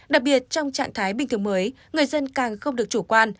đặc biệt trong trạng thái bình thường mới người dân càng không được chủ quan